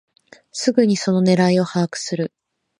すぐにその狙いを把握する